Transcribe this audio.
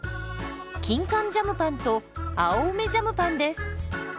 キンカンジャムパンと青梅ジャムパンです。